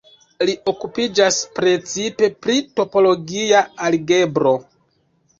Li okupiĝas precipe pri topologia algebro.